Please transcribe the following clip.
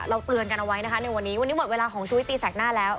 เตือนกันเอาไว้นะคะในวันนี้วันนี้หมดเวลาของชุวิตตีแสกหน้าแล้ว